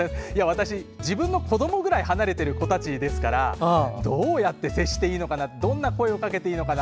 私、自分の子どもぐらい離れている子たちですからどうやって接していいのかなどうやって声をかけていいのかな。